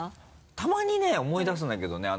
たまにね思い出すんだけどね。